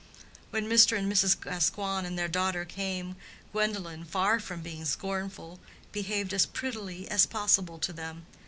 When Mr. and Mrs. Gascoigne and their daughter came, Gwendolen, far from being scornful, behaved as prettily as possible to them.